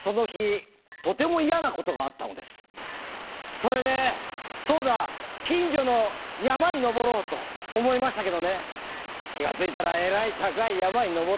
それで「そうだ！近所の山に登ろう」と思いましたけどね気が付いたらえらい高い山に登っていましたよ。